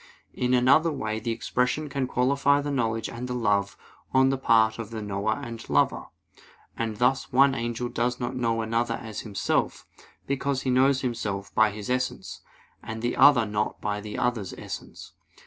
In another way the expression can qualify the knowledge and the love on the part of the knower and lover. And thus one angel does not know another as himself, because he knows himself by his essence, and the other not by the other's essence.